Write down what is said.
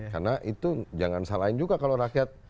karena itu jangan salahin juga kalau rakyat